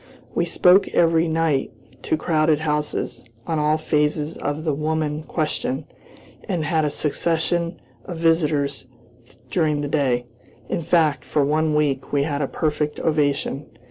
We spoke every night, to crowded houses, on all phases of the woman question, and had a succession of visitors during the day. In fact, for one week, we had a perfect ovation.